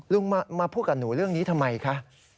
ลุงมาพูดกับหนูเรื่องนี้ทำไมคะ